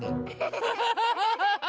ハハハハハハ。